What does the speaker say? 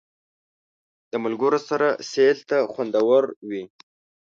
د ملګرو سره سیل تل خوندور وي.